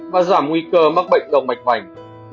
và giảm nguy cơ mắc bệnh động mạch mạnh